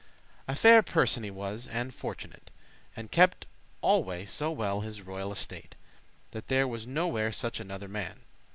A fair person he was, and fortunate, And kept alway so well his royal estate, That there was nowhere such another man.